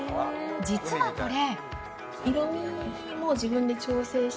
実はこれ。